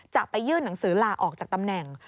จะไปยื่นหนังสือลาออกจากตำแหน่ง